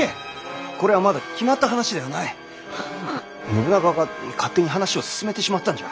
信長が勝手に話を進めてしまったんじゃ。